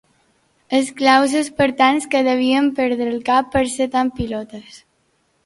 Esclaus espartans que devien perdre el cap per ser tan pilotes.